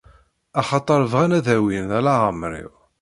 Axaṭer bɣan ad awin leεmer-iw.